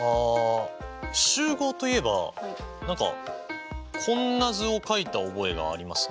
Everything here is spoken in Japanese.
集合といえば何かこんな図を描いた覚えがありますね。